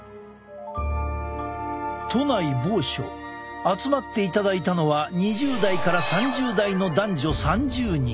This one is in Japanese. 都内某所集まっていただいたのは２０代から３０代の男女３０人。